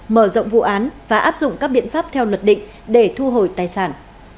mở rộng vụ án và áp dụng các biện pháp theo luật định để thu hồi tài sản